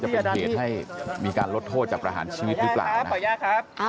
จะเป็นเหตุให้มีการลดโทษจับประหารชีวิตหรือเปล่านะ